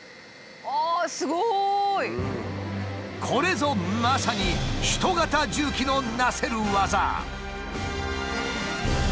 これぞまさに人型重機のなせる技！